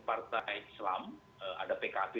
partai islam ada pkp